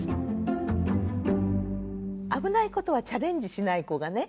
危ないことはチャレンジしない子がね